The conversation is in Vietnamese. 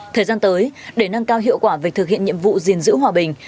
thời gian tới để nâng cao hiệu quả về thực hiện nhiệm vụ gìn giữ hòa bình